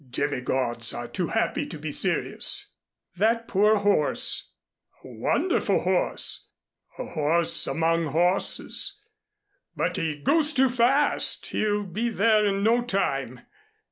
"Demigods are too happy to be serious." "That poor horse " "A wonderful horse, a horse among horses, but he goes too fast. He'll be there in no time.